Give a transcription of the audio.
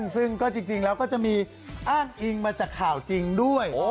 ซึ่งก็จริงแล้วก็จะมีอ้างอิงมาจากข่าวจริงด้วย